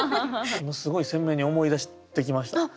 すごい鮮明に思い出してきましたね。